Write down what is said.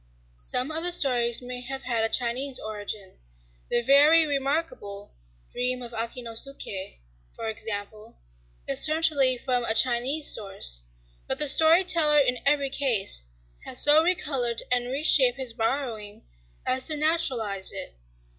Some of the stories may have had a Chinese origin: the very remarkable "Dream of Akinosuké," for example, is certainly from a Chinese source. But the story teller, in every case, has so recolored and reshaped his borrowing as to naturalize it...